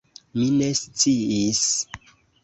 Mi ne sciis!